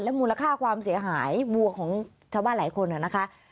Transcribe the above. มูลค่าความเสียหายวัวของชาวบ้านหลายคนนะคะ